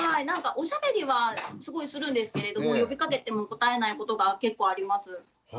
なんかおしゃべりはすごいするんですけれども呼びかけても答えないことが結構あります。